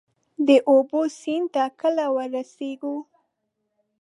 د اوبو، سیند ته کله ورسیږو؟